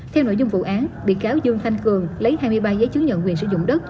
theo nội dung vụ án bị cáo dương thanh cường lấy hai mươi ba giấy chứng nhận quyền sử dụng đất